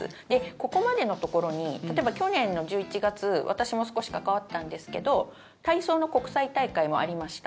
ここまでのところに例えば、去年の１１月私も少し関わったんですけど体操の国際大会もありました。